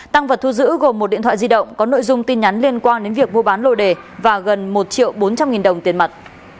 tăng vật thu giữ gồm một điện thoại di động có nội dung tin nhắn liên quan đến việc mua bán lô đề và gần một triệu bốn trăm linh nghìn đồng tiền mặt